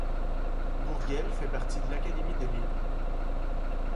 Bourghelles fait partie de l'académie de Lille.